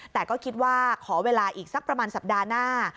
แต่ก็คิดว่าขอเวลาอีกสักประมาณสัปดาห์หน้า